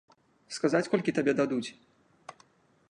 Сказаць колькі табе дадуць?